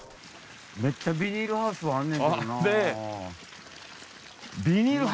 めっちゃビニールハウスはあんねんけどな。